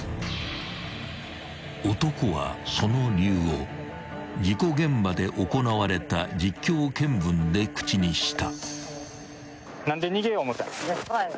［男はその理由を事故現場で行われた実況見分で口にした］